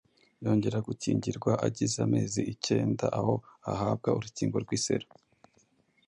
Yongera gukingirwa agize amezi ikenda aho ahabwa urukingo rw’iseru